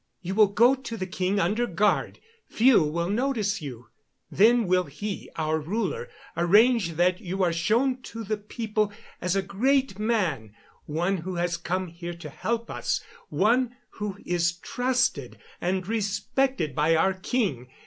You will go to the king under guard. Few will notice you. Then will he, our ruler, arrange that you are shown to the people as a great man one who has come here to help us one who is trusted and respected by our king.